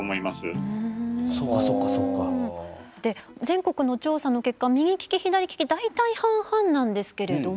全国の調査の結果右利き左利き大体半々なんですけれども。